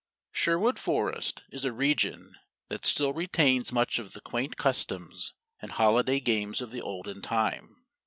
Sherwood Forest is a region that still retains much of the quaint customs and holiday games of the olden time.